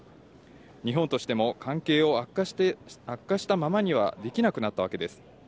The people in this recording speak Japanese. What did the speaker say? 日本としても、関係を悪化したままにはできなくなったわけです。